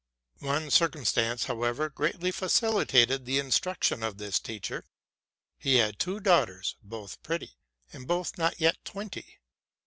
One circumstance, however, greatly facilitated the instrue tion of this teacher: he had two daughters, both pretty, and both not yet twenty.